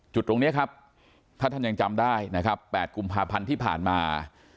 จุดตรงนี้ครับถ้าท่านยังจำได้นะครับ๘กุมภาพันธ์ที่ผ่านมา